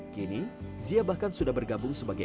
kini zia bahkan sudah bergabung dengan karya karya